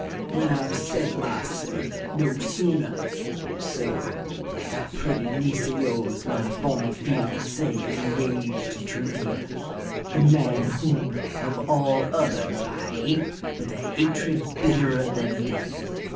"When I've said my say; no sooner. So that pretty niece of yours, my former fiancée, is engaged to Travilla? the man whom, of all others, I hate with a hatred bitterer than death.